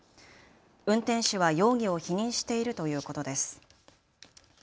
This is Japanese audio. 運転手は容疑を否認しているということです。